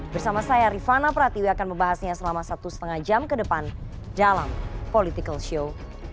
bersama saya rifana pratiwi akan membahasnya selama satu lima jam ke depan dalam political show